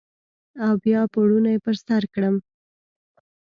او بیا پوړنی پر سرکړم